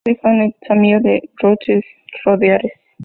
Está ubicado en el macizo de Laurentides boreales.